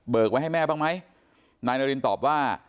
เบิกไว้ให้แม่บ้างมั้ยนายนารีนตอบว่า